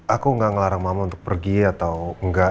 aku nggak ngelarang mama untuk pergi atau enggak